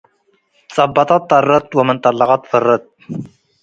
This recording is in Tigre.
ትጸበጠት ጠረት ወምን ትጠለቀት ፈረት።